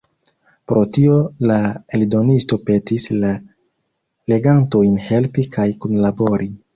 Pro tio la eldonisto petis la legantojn helpi kaj kunlabori.